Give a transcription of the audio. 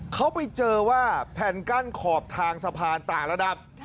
เขาไปเจอว่าแผ่นกั้นขอบทางสะพานต่างระดับ